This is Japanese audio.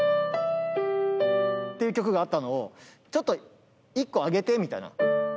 ていう曲があったのをちょっと１個上げてみたいな。